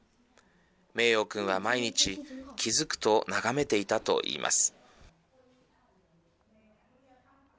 名洋くんは毎日気付くと眺めていたと言います。